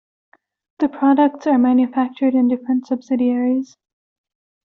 The products are manufactured in different subsidiaries.